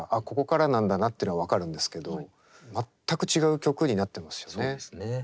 ここからなんだなっての分かるんですけど全く違う曲になってますよね。